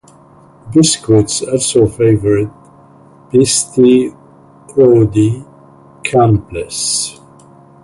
Biscuits also favored Paiste Rude cymbals.